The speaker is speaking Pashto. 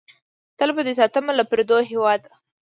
تل به دې ساتم له پردو هېواده!